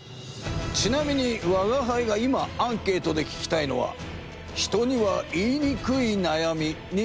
ちなみにわがはいが今アンケ―トで聞きたいのは人には言いにくいなやみについてだ。